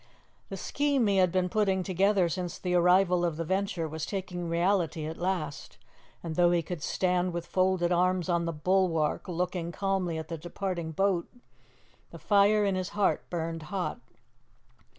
The scheme he had been putting together since the arrival of the Venture was taking reality at last, and though he could stand with folded arms on the bulwark looking calmly at the departing boat, the fire in his heart burned hot.